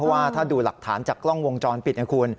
ว่าถ้าดูหลักฐานจากกล้องวงจรปิดนะคุณ